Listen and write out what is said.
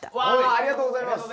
ありがとうございます！